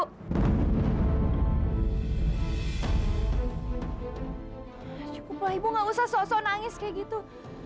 cukup lah ibu gak usah sok so nangis kayak gitu